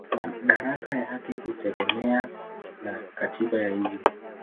Madaraka yake hutegemea na katiba ya nchi.